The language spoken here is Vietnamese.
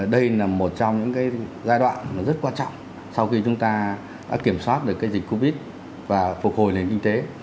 đây là một trong những cái giai đoạn rất quan trọng sau khi chúng ta đã kiểm soát được cái dịch covid và phục hồi lên kinh tế